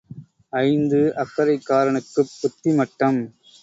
ஐந்து அக்கரைக்காரனுக்குப் புத்தி மட்டம்.